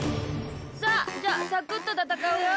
さあじゃあサクッとたたかうよ。